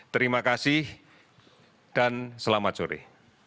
terima kasih dan selamat sore